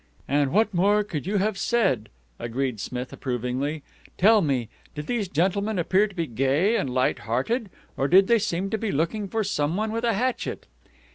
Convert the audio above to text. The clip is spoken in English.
'" "And what more could you have said?" agreed Smith approvingly. "Tell me, did these gentlemen appear to be gay and light hearted, or did they seem to be looking for someone with a hatchet?"